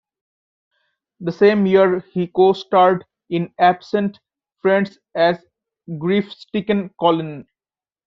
The same year he co-starred in Absent Friends as grief-stricken Colin.